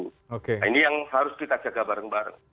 nah ini yang harus kita jaga bareng bareng